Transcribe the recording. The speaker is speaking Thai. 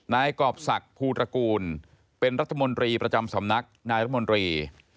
นายกรอบศักดิ์ภูตระกูลเป็นรัฐมนตรีประจำสำนักนายรัฐมนตรี